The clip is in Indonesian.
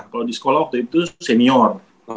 kalau di sekolah waktu itu senior